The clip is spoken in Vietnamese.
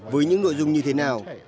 với những nội dung như thế nào